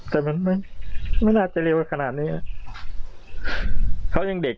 แต่มันไม่น่าจะเรียกว่าขนาดนี้นะเขายังเด็ก